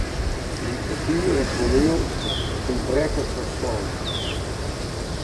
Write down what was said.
Literatuer en toaniel ûntbrekke folslein.